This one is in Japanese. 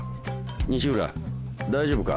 西浦大丈夫か？